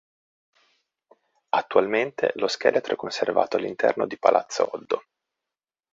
Attualmente lo scheletro è conservato all'interno di Palazzo Oddo.